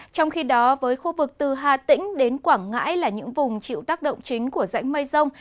trong khi đó với khu vực từ hà tĩnh đến quảng ngãi là những vùng chịu tác động chính của rãnh mây rông